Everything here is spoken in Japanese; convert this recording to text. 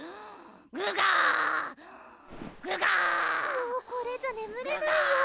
もうこれじゃねむれないよ